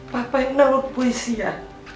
bapak yang nama puisi ya